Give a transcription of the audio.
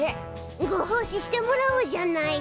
ごほう仕してもらおうじゃない。